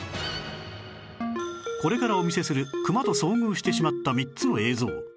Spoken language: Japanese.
これからお見せするクマと遭遇してしまった３つの映像